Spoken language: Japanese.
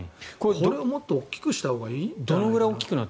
これをもっと大きくしたほうがいいんじゃないかな。